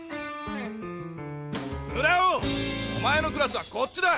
村尾お前のクラスはこっちだ。